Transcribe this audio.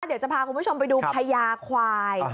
เดี๋ยวจะพาคุณผู้ชมไปดูพญาควาย